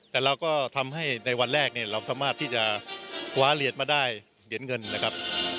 แต่เราก็ทำให้ในวันแรกเนี่ยเราสามารถที่จะคว้าเหรียญมาได้เหรียญเงินนะครับ